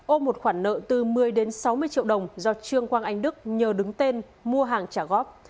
ô một khoản nợ từ một mươi đến sáu mươi triệu đồng do trương quang anh đức nhờ đứng tên mua hàng trả góp